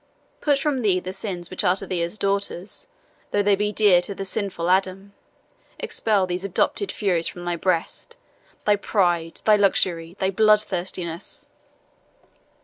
Put from thee the sins which are to thee as daughters though they be dear to the sinful Adam, expel these adopted furies from thy breast thy pride, thy luxury, thy bloodthirstiness."